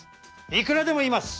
いくらでもいます。